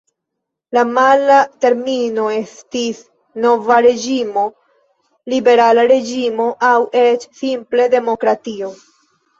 La mala termino estis Nova Reĝimo, Liberala Reĝimo aŭ eĉ simple Demokratio.